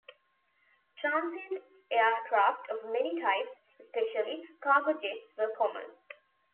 Transient aircraft of many types, especially cargo jets, were common.